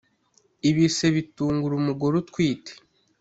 ibise bitungura umugore utwite